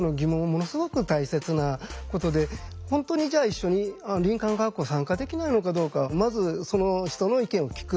ものすごく大切なことで本当にじゃあ一緒に林間学校参加できないのかどうかまずその人の意見を聞く。